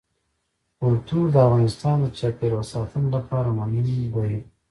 کلتور د افغانستان د چاپیریال ساتنې لپاره مهم دي.